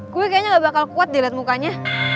gua kayaknya ga bakal kuat diliat mukanya